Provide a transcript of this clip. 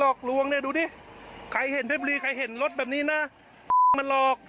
หลอกลวงเนี่ยดูดิใครเห็นอธิบายหลอกแบบนี้นะ